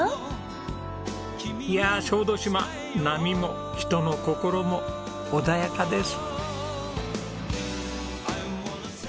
いやあ小豆島波も人の心も穏やかです。